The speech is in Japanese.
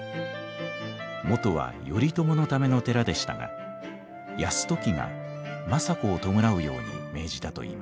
元は頼朝のための寺でしたが泰時が政子を弔うように命じたといいます。